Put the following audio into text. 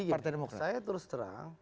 partai demokrat saya terus terang